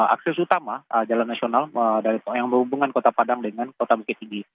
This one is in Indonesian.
akses utama jalan nasional yang berhubungan kota padang dengan kota bukit tinggi